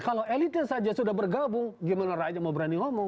kalau elitnya saja sudah bergabung gimana rakyat mau berani ngomong